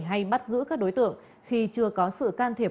hay bắt giữ các đối tượng khi chưa có sự can thiệp